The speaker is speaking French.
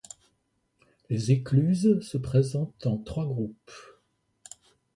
Les écluses se présentent en trois groupes.